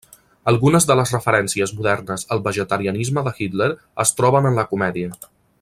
Algunes de les referències modernes al vegetarianisme de Hitler es troben en la comèdia.